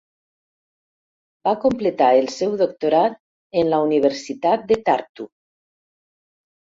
Va completar el seu doctorat en la Universitat de Tartu.